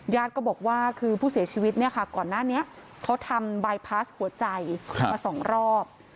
ก็บอกว่าคือผู้เสียชีวิตเนี่ยค่ะก่อนหน้านี้เขาทำบายพาสหัวใจมา๒รอบ